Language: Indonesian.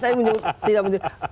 saya menyebut tidak mungkin